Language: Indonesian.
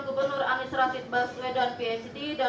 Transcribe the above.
gubernur anies rashid baswedan phd dan